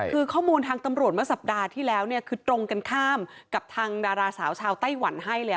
คือข้อมูลทางตำรวจเมื่อสัปดาห์ที่แล้วเนี่ยคือตรงกันข้ามกับทางดาราสาวชาวไต้หวันให้เลย